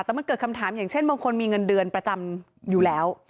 แต่มันเกิดคำถามอย่างเช่นบางคนมีเงินเดือนประจำอยู่แล้ว